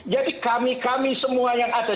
jadi kami semua yang ada